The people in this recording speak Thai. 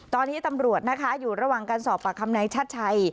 ตอนนี้ตำรวจนะคะอยู่ระหว่างการสอบปากคำนายชัดชัย